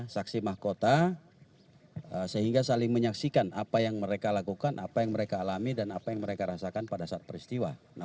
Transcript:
saksi mahkota sehingga saling menyaksikan apa yang mereka lakukan apa yang mereka alami dan apa yang mereka rasakan pada saat peristiwa